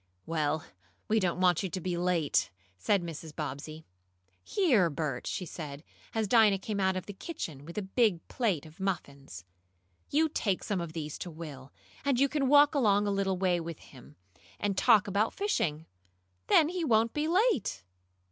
"Well, we don't want you to be late," said Mrs. Bobbsey. "Here, Bert," she said, as Dinah came out of the kitchen with a big plate of muffins, "you take some of these to Will, and you can walk along a little way with him, and talk about fishing. Then he won't be late.